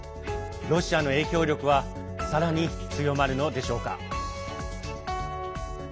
ロシアの影響力はさらに強まるのでしょうか。